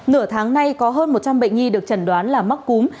nửa tháng nay có hơn một trăm linh bệnh nhi được chẩn đoán là mắc cúm